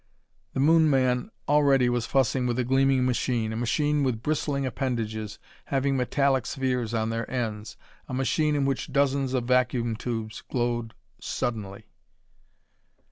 The Moon man already was fussing with a gleaming machine, a machine with bristling appendages having metallic spheres on their ends, a machine in which dozens of vacuum tubes glowed suddenly.